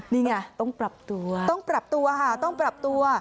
นี่ไงต้องปรับตัว